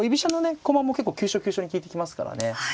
駒も結構急所急所に利いてきますからね。